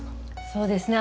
そうですね